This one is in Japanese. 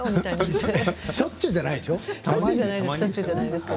しょっちゅうじゃないでしょう。